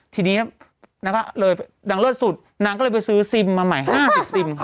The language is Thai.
ทีนี้นางเลิศสุดนางก็เลยไปซื้อซิมมาใหม่๕๐ซิม